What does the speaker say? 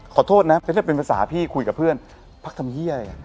ขอโทษนะถ้าเป็นภาษาพี่คุยกับเพื่อนพักทำเฮีย